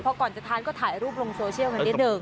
พอก่อนจะทานก็ถ่ายรูปลงโซเชียลกันนิดหนึ่ง